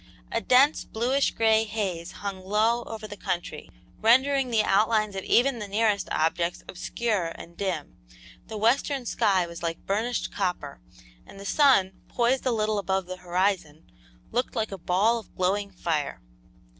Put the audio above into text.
A dense, bluish gray haze hung low over the country, rendering the outlines of even the nearest objects obscure and dim; the western sky was like burnished copper, and the sun, poised a little above the horizon, looked like a ball of glowing fire.